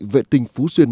vệ tinh phú xuyên